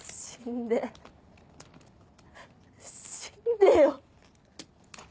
死んでよ。